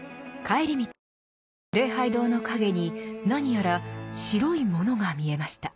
帰り道礼拝堂の陰に何やら「白いもの」が見えました。